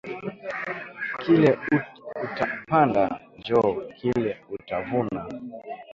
Kile uta panda njo kile uta vuna